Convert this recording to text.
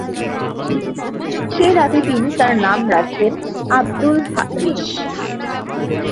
সে মতে তিনি তার নাম রাখেন আব্দুল হারিস।